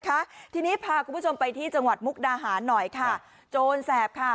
ค่ะทีนี้พาคุณผู้ชมไปที่จังหวัดมุกดาหารหน่อยค่ะโจรแสบค่ะ